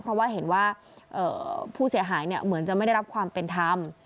เพราะว่าเห็นว่าผู้เสียหายเหมือนจะไม่ได้รับความเป็นธรรม